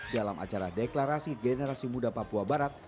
dalam acara deklarasi generasi muda papua barat